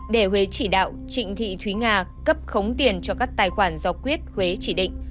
để huế chỉ đạo trịnh thị thúy nga cấp khống tiền cho các tài khoản do quyết huế chỉ định